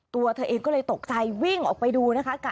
ตัวเธอเองก็เลยตกใจวิ่งออกไปดูนะคะ